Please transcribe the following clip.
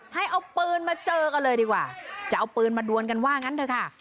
ให้เอาปืนมาเจอกันเลยดีกว่าจะเอาปืนมาดวนกันว่างั้นเถอะค่ะ